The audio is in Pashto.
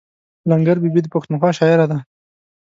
لنګر بي بي د پښتونخوا شاعره ده.